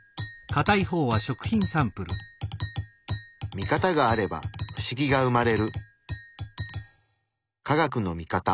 見方があれば不思議が生まれる。